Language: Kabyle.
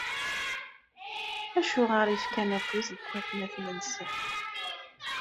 Acuɣer i fkan afus deg atmaten-nsen?